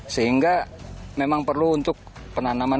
sehingga memang perlu untuk penanaman timah ini